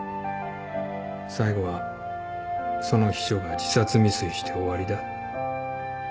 最後はその秘書が自殺未遂して終わりだ。